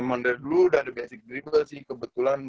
emang dari dulu udah ada basic dribble sih kebetulan